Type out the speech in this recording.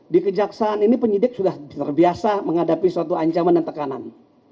di kejaksaan ini penyidik sudah terbiasa menghadapi suatu ancaman dan tekanan